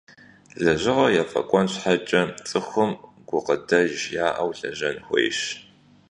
Лэжьыгъэр ефӀэкӀуэн щхьэкӀэ цӀыхум гукъыдэж яӀэу лэжьэн хуейщ.